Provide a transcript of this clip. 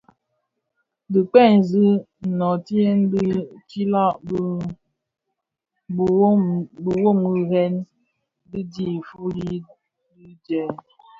Dhi kpëňzi nnöötighèn dhi tiilag, biwoghirèna dhidi fuuli di djèè.